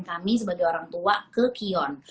kami sebagai orang tua ke kion